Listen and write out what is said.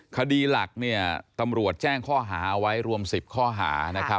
คดีหลักตำรวจแจ้งข้อหาไว้รวม๑๐ข้อหา